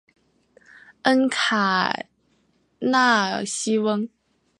恩卡纳西翁。